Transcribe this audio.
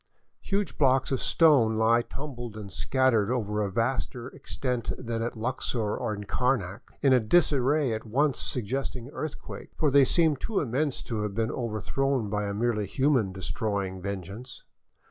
Huge blocks of stone lie tumbled and scattered over a vaster extent than at Luxor and Karnak, in a disarray at once suggesting earthquake ; for they seem too immense to have been over thrown by a merely human destroying vengeance.